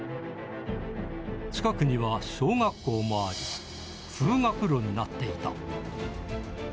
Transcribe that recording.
近くには小学校もあり、通学路になっていた。